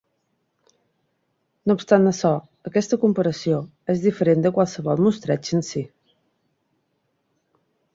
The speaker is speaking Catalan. No obstant això, aquesta comparació és diferent de qualsevol mostreig en si.